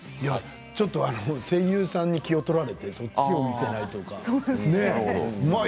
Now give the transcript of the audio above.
ちょっと声優さんに気を取られてそっちを見ていないとね。